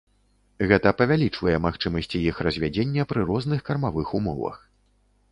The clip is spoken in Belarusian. Гэта павялічвае магчымасці іх развядзення пры розных кармавых умовах.